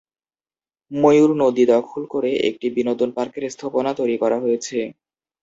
ময়ূর নদী দখল করে একটি বিনোদন পার্কের স্থাপনা তৈরি করা হয়েছে।